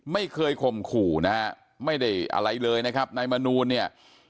ไม่เคยข่มขู่นะฮะไม่ได้อะไรเลยนะครับนายมนูลเนี่ย